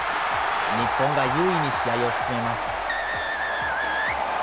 日本が優位に試合を進めます。